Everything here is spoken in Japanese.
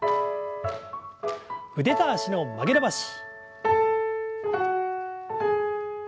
腕と脚の曲げ伸ばし。